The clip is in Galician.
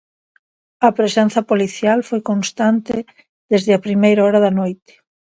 A presenza policial foi constante desde a primeira hora da noite.